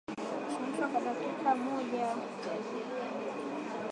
Chemsha kwa dakika mojatanouji wako